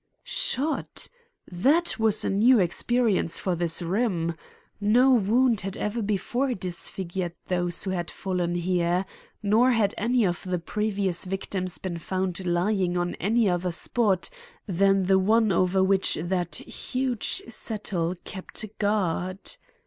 Shot! That was a new experience for this room. No wound had ever before disfigured those who had fallen here, nor had any of the previous victims been found lying on any other spot than the one over which that huge settle kept guard.